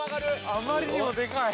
◆あまりにもでかい。